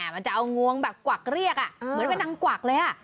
มันจะเอางวงแบบกวักเรียกเหมือนเป็นนางกวักเลย